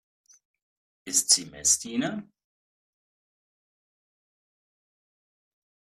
Ist sie Messdiener?